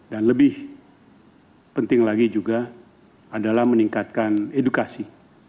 lebih penting lagi juga adalah meningkatkan edukasi